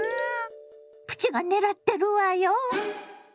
プチが狙ってるわよ。